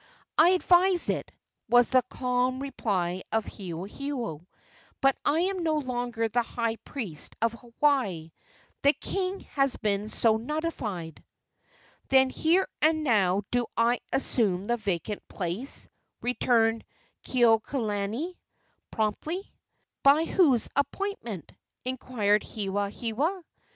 "I advise it," was the calm reply of Hewahewa; "but I am no longer the high priest of Hawaii; the king has been so notified." "Then here and now do I assume the vacant place," returned Kekuaokalani, promptly. "By whose appointment?" inquired Hewahewa.